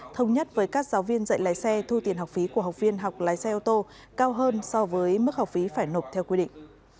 thông nhất với các giáo viên dạy lái xe thu tiền học phí của học viên học lái xe ô tô cao hơn so với mức học phí phải nộp theo quy định